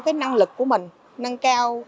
cái năng lực của mình nâng cao